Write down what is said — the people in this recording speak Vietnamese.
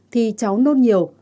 thì cháu nôn nhiều